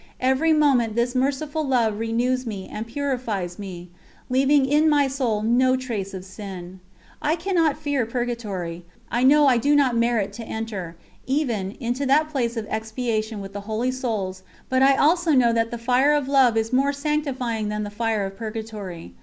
Every moment this Merciful Love renews me and purifies me, leaving in my soul no trace of sin. I cannot fear Purgatory; I know I do not merit to enter, even, into that place of expiation with the Holy Souls, but I also know that the fire of Love is more sanctifying than the fire of Purgatory.